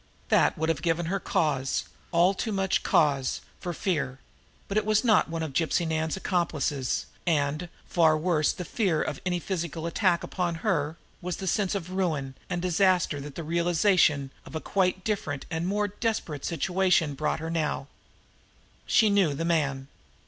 That would have given her cause, all too much of cause, for fear; but it was not one of Gypsy Nan's accomplices, and, far worse than the fear of any physical attack upon her, was the sense of ruin and disaster that the realization of a quite different and more desperate situation brought her now. She knew the man.